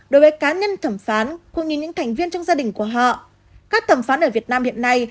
đối với cá nhân thẩm phán cũng như những thành viên trong gia đình của họ các thẩm phán ở việt nam hiện nay